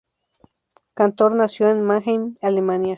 Cantor nació en Mannheim, Alemania.